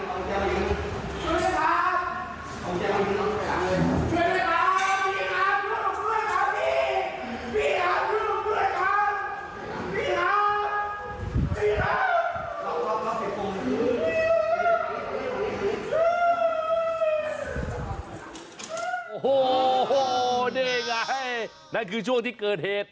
โอ้โหนี่ไงนั่นคือช่วงที่เกิดเหตุ